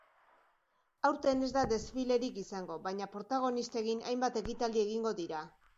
Aurten ez da desfilerik izango, baina protagonistekin hainbat ekitaldi egingo dira.